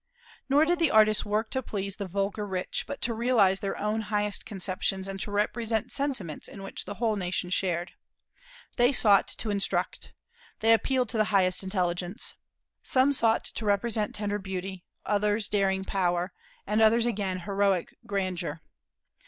Nor did the artists work to please the vulgar rich, but to realize their own highest conceptions, and to represent sentiments in which the whole nation shared. They sought to instruct; they appealed to the highest intelligence. "Some sought to represent tender beauty, others daring power, and others again heroic grandeur."